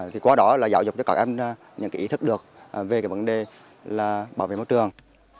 thì qua đó là giáo dục cho các em những cái ý thức được về cái vấn đề là bảo vệ môi trường